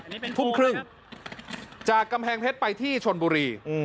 นี่เป็นทุ่มครึ่งจากกำแพงเพชรไปที่ชนบุรี